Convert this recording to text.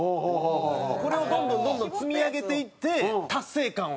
これをどんどんどんどん積み上げていって。